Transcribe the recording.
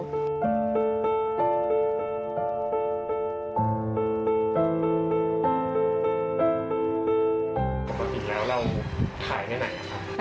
ปกติแล้วเราขายแค่ไหนครับ